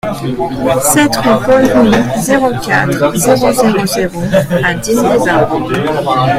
sept rue Paul Rouit, zéro quatre, zéro zéro zéro à Digne-les-Bains